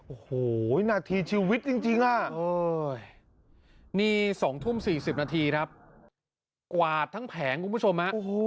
โอ้โหหนักทีชีวิตจริงนี่สองทุ่มสี่สิบนาทีครับกวาดทั้งแผงคุณผู้ชม